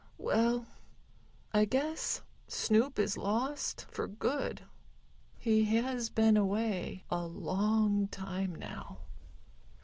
"Well, I guess Snoop is lost for good. He has been away a long time now."